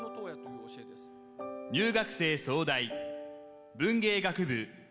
入学生総代文芸学部寺田もか。